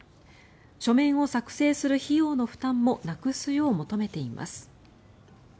書面を作成する費用の負担もなくすよう求めています。